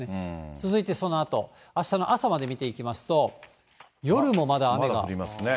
続いてそのあと、あしたの朝まで見ていきますと、雨が降りますね。